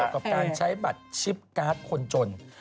กับการใช้บัตรชิปการ์ดคนจน